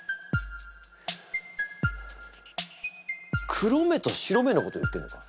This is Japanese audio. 黒目と白目のこと言ってんのか？